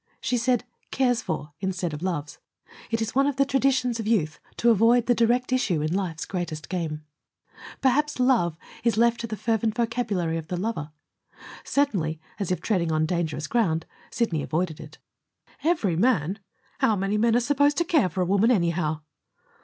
She said "cares for" instead of "loves." It is one of the traditions of youth to avoid the direct issue in life's greatest game. Perhaps "love" is left to the fervent vocabulary of the lover. Certainly, as if treading on dangerous ground, Sidney avoided it. "Every man! How many men are supposed to care for a woman, anyhow?"